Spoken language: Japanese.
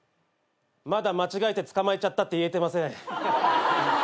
まだ間違えて捕まえちゃったって言えてません。